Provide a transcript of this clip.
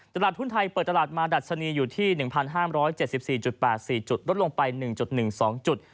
ตลาดหุ้นไทยเปิดตลาดมาดัชนีอยู่ที่๑๕๗๔๘๔จุดลดลงไป๑๑๒จุด